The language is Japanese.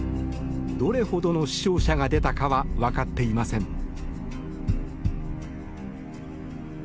どれほどの死傷者が出たかは分かっていません。